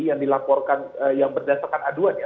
yang dilaporkan yang berdasarkan aduan ya